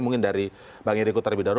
mungkin dari bang eriko terlebih dahulu